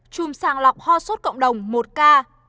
chùm sàng lọc ho sốt cộng đồng một ca